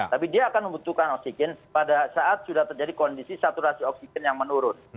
tapi dia akan membutuhkan oksigen pada saat sudah terjadi kondisi saturasi oksigen yang menurun